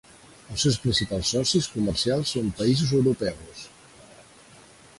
Els seus principals socis comercials són països europeus.